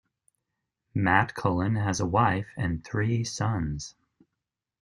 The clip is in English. Matt Cullen has a wife and three sons.